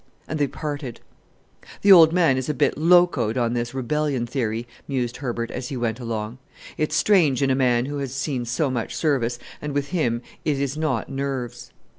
and they parted. "The old man is a bit locoed on this rebellion theory," mused Herbert as he went along. "It's strange in a man who has seen so much service, and with him it is not 'nerves.'"